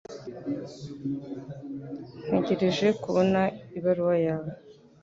Ntegereje kubona ibaruwa yawe